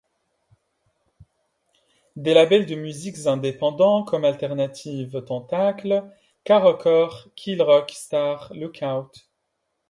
Des labels de musique indépendants comme Alternative Tentacles, K Records, Kill Rock Stars, Lookout!